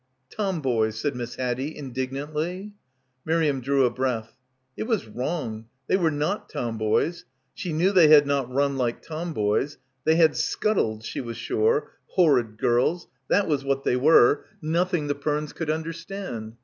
'Tomboys," said Miss Haddie indignantly. Miriam drew a breath. It was wrong, they were not tomboys — she knew they had not run like tomboys — they had scuttled, she was sure — horrid girls, that was what they were, nothing the Pernes could understand.